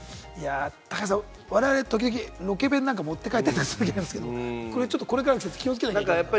高橋さん、我々、ロケ弁なんかたまに持って帰ったりするじゃないですか、これからの季節は気をつけなくちゃいけない。